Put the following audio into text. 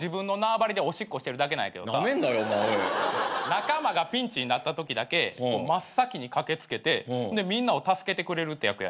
仲間がピンチになったときだけ真っ先に駆け付けてみんなを助けてくれるっていう役やねんな。